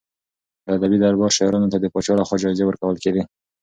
د ادبي دربار شاعرانو ته د پاچا لخوا جايزې ورکول کېدې.